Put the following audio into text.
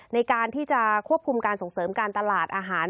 ในการที่จะควบคุมการส่งเสริมการตลาดอาหาร